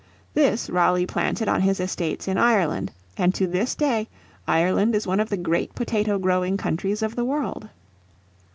This Raleigh planted on his estates in Ireland, and to this day Ireland is one of the great potato growing countries of the world.